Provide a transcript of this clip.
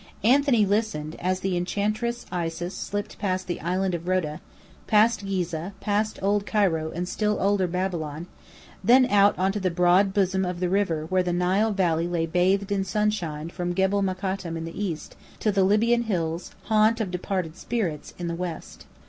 Anthony listened, as the Enchantress Isis slipped past the Island of Roda, past Ghizeh, past old Cairo and still older Babylon, then out on to the broad bosom of the river where the Nile Valley lay bathed in sunshine from Gebel Mokattam in the east, to the Libyan hills haunt of departed spirits in the west.